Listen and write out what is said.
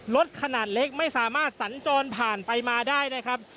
รถขนาดเล็กไม่สามารถสัญจรผ่านไปมาได้นะครับ